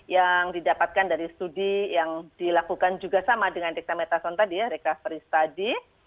yang didapatkan dari studi yang dilakukan juga sama dengan dexamethasone tadi ya recovery study